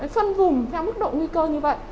phân vùng theo mức độ nguy cơ như vậy